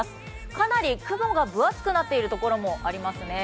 かなり雲が分厚くなっている所もありますね。